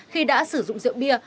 khi đã sử dụng rượu bia